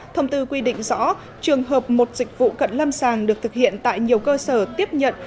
thông tư quy định rõ trường hợp một dịch vụ cận lâm sàng được thực hiện tại nhiều cơ sở tiếp nhận